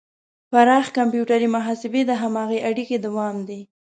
پراخ کمپیوټري محاسبې د هماغې اړیکې دوام دی.